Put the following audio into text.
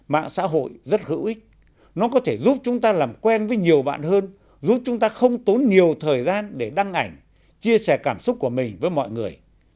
mạng xã hội rất hữu ích nó có thể giúp chúng ta làm quen với nhiều bạn hơn giúp chúng ta không tốn nhiều thời gian để đăng ảnh chia sẻ cảm xúc của mình với mọi người